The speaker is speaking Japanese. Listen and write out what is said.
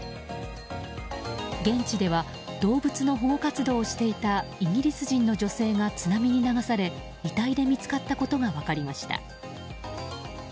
現地では動物の保護活動をしていたイギリス人の女性が津波に流され遺体で見つかったことが分かりました。